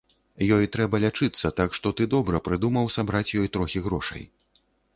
Ёй трэба лячыцца, так што ты добра прыдумаў сабраць ёй трохі грошай.